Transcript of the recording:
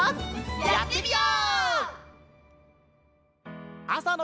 やってみよう！